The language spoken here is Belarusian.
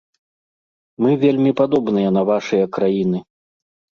Мы вельмі падобныя на вашыя краіны.